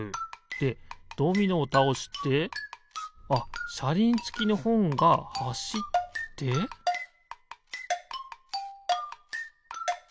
でドミノをたおしてあっしゃりんつきのほんがはしってピッ！